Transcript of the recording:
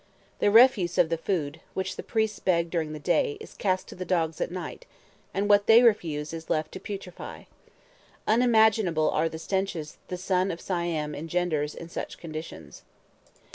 The refuse of the food, which the priests beg during the day, is cast to the dogs at night; and what they refuse is left to putrefy. Unimaginable are the stenches the sun of Siam engenders in such conditions.